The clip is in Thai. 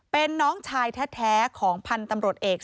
เป็นน้องชายแท้ของพันธุ์ตำรวจเอก